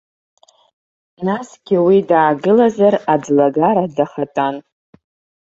Насгьы уи даагылазар аӡлагара дахатәан.